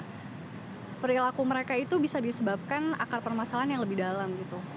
misalkan saya belajar psikologi ya saya tahu bahwa perilaku mereka itu bisa disebabkan akar permasalahan yang lebih dalam gitu